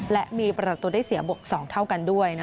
และมีประตูได้เสียบวก๒เท่ากันด้วย